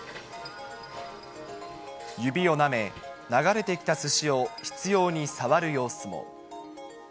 指をなめ、流れてきたすしを執ように触る様子も。